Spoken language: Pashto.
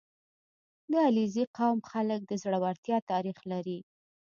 • د علیزي قوم خلک د زړورتیا تاریخ لري.